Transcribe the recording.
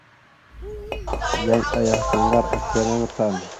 Yan ayakal ŋgar aka yan aŋa tan.